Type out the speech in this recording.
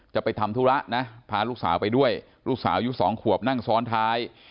จะไปทำธุระนะพาลูกสาวไปด้วยลูกสาวอายุสองขวบนั่งซ้อนท้าย